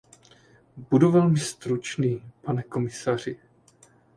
Budu velmi stručný, pane komisaři.